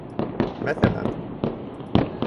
Мәҫәлән: